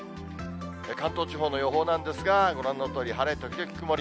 関東地方の予報なんですが、ご覧のとおり、晴れ時々曇り。